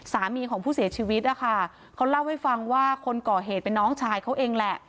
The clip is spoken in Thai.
สามีของผู้เสียชีวิตนะคะเขาเล่าให้ฟังว่าคนก่อเหตุเป็นน้องชายเขาเองแหละ